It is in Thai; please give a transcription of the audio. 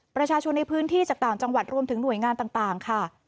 ประชาชนในพื้นที่จากต่างจังหวัดรวมถึงหน่วยงานต่างค่ะ